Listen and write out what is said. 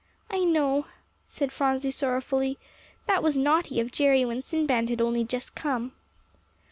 "I know," said Phronsie sorrowfully; "that was naughty of Jerry when Sinbad had only just come."